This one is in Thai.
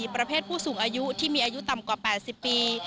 ประเภทผู้สูงอายุที่มีอายุต่ำกว่า๘๐ปี